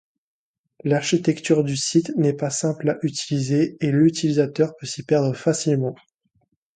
L'architecture du site n'est pas simple à utiliser et l'utilisateur peut s'y perdre facilement.